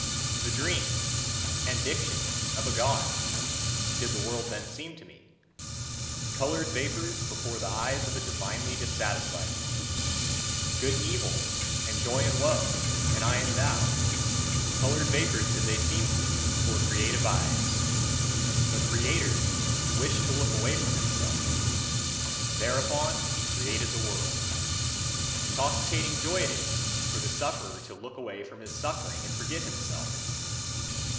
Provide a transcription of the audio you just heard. The dream and diction of a God, did the world then seem to me; coloured vapours before the eyes of a divinely dissatisfied one. Good and evil, and joy and woe, and I and thou coloured vapours did they seem to me before creative eyes. The creator wished to look away from himself, thereupon he created the world. Intoxicating joy is it for the sufferer to look away from his suffering and forget himself.